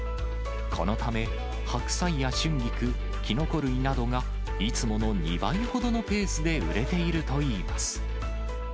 このため、白菜や春菊、キノコ類などがいつもの２倍ほどのペースで売れているといいます。